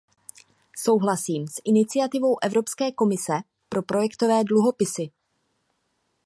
Souhlasím s iniciativou Evropské komise pro projektové dluhopisy.